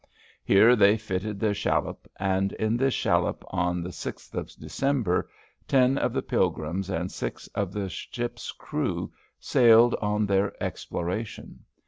Here they fitted their shallop, and in this shallop, on the sixth of December, ten of the Pilgrims and six of the ship's crew sailed on their exploration.